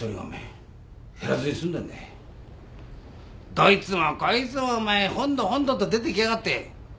どいつもこいつもお前本土本土って出て行きやがって。